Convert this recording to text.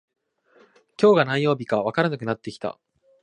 今日が何曜日かわからなくなってきた